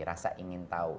rasa ingin tahu